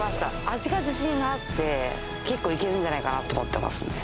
味が自信あって結構いけるんじゃないかなと思ってますね